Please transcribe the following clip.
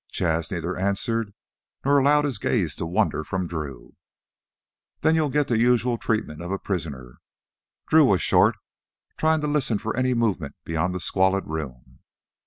Jas' neither answered nor allowed his gaze to wander from Drew. "Then you'll get the usual treatment of a prisoner." Drew was short, trying to listen for any movement beyond the squalid room.